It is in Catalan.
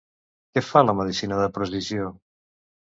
Què fa la medicina de precisió?